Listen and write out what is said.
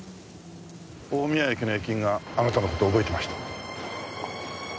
大宮駅の駅員があなたの事を覚えてました。